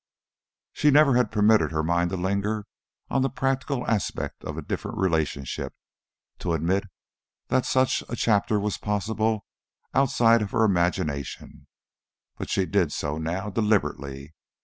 She never had permitted her mind to linger on the practical aspect of a different relationship, to admit that such a chapter was possible outside of her imagination, but she did so now, deliberately.